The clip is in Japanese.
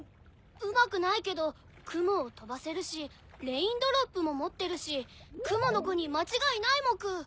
うまくないけどくもをとばせるしレインドロップももってるしくものコにまちがいないモク！